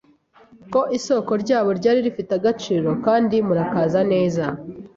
Ko isoko ryabo ryari rifite agaciro kandi murakaza neza